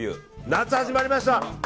夏、始まりました！